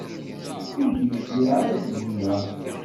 Ur d-yecliɛ ara seg wiyaḍ.